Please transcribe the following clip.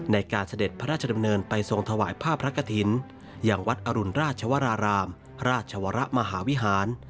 เสด็จพระราชดำเนินไปทรงถวายผ้าพระกฐินอย่างวัดอรุณราชวรารามราชวรมหาวิหาร